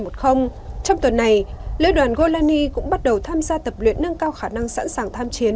trong tuần này lữ đoàn golani cũng bắt đầu tham gia tập luyện nâng cao khả năng sẵn sàng tham chiến